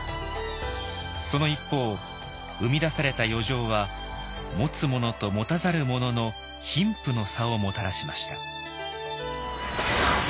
その一方生み出された余剰は持つ者と持たざる者の貧富の差をもたらしました。